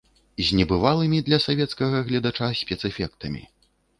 З небывалымі для савецкага гледача спецэфектамі.